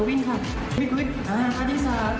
๕วินาที๔๓๒๑